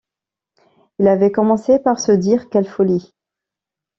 Il avait commencé par se dire: « Quelle folie!